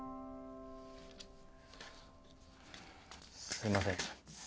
すいません。